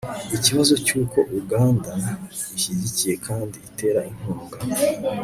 ikibazo cy'uko uganda ishyigikiye kandi itera inkunga